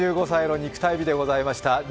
８５歳の肉体美でございました。